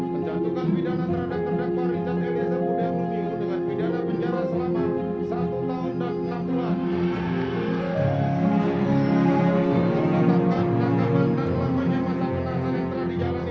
tentangkan terdakwaan tetap berada dalam tangan